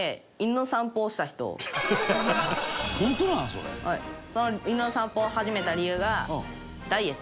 その犬の散歩を始めた理由がダイエット。